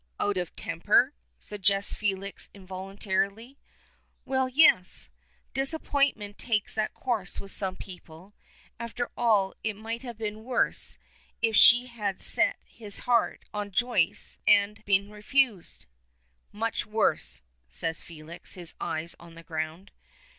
"Out of temper," suggests Felix involuntarily. "Well, yes. Disappointment takes that course with some people. After all, it might have been worse if he had set his heart on Joyce and been refused." "Much worse," says Felix, his eyes on the ground.